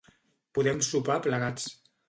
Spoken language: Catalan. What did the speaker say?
Podem sopar plegats.